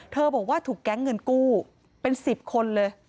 บอกว่าถูกแก๊งเงินกู้เป็น๑๐คนเลย